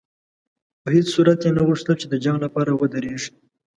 په هېڅ صورت یې نه غوښتل چې د جنګ لپاره ودرېږي.